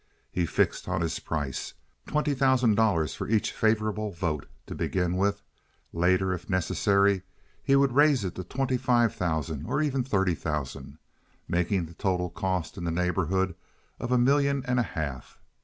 He fixed on his price—twenty thousand dollars for each favorable vote, to begin with. Later, if necessary, he would raise it to twenty five thousand, or even thirty thousand, making the total cost in the neighborhood of a million and a half.